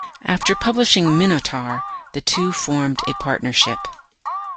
After publishing "Minotaur", the two formed a partnership.